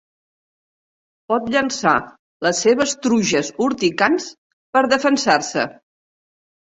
Pot llançar les seves truges urticants per defensar-se.